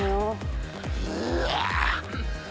うわ！